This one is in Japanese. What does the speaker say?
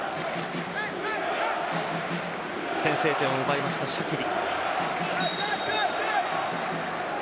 先制点を奪いましたシャキリ。